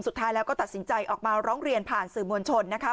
สุดท้ายแล้วก็ตัดสินใจออกมาร้องเรียนผ่านสื่อมวลชนนะคะ